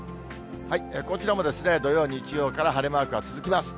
こちらも土曜、日曜から晴れマークは続きます。